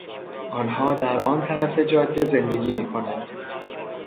آنها در آن طرف جاده زندگی میکنند.